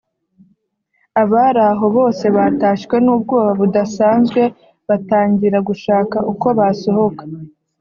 Abari aho bose batashywe n’ubwoba budasanzwe batangira gushaka uko basohoka